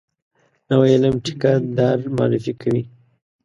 نوی علم ټیکه دار معرفي کوي.